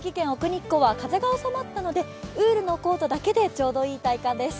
日光は風が収まったので、ウールのコートだけで、ちょうどいい体感です。